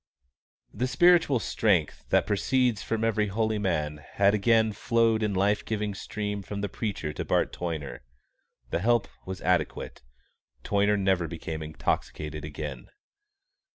The spiritual strength that proceeds from every holy man had again flowed in life giving stream from the preacher to Bart Toyner. The help was adequate. Toyner never became intoxicated again.